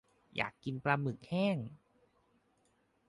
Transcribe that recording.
อยากกินปลาหมึกแห้ง